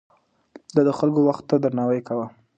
ده د خلکو وخت ته درناوی کاوه.